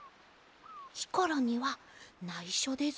ひころにはないしょですよ。